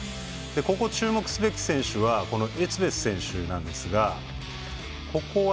ここ、注目すべき選手はエツベス選手なんですが、ここは